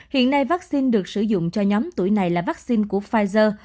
hiện nay vaccine được sử dụng cho nhóm tuổi này là vaccine của pfizer